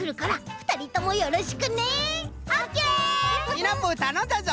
シナプーたのんだぞ！